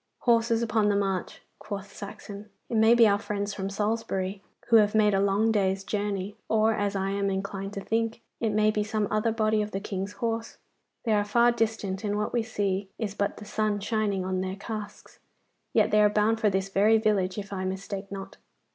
'Horse upon the march,' quoth Saxon. 'It may be our friends of Salisbury, who have made a long day's journey; or, as I am inclined to think, it may be some other body of the King's horse. They are far distant, and what we see is but the sun shining on their casques; yet they are bound for this very village, if I mistake not.